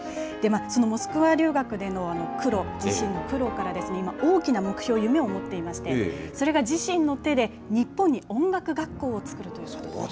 そのモスクワ留学での苦労、自身の苦労から、今、自身の大きな夢を持っていまして、それが自身の手で日本に音楽学校を作るということです。